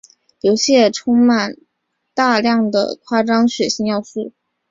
游戏也充满大量的夸张血腥要素。